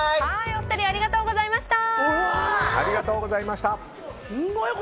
お二人ありがとうございました。